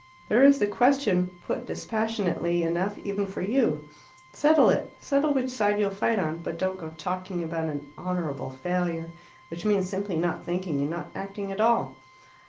There is the question put dispassionately enough even for you. Settle it. Settle which side you'll fight on. But don't go talking about an 'honourable failure,' which means simply not thinking and not acting at all."